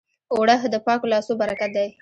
اوړه د پاکو لاسو برکت دی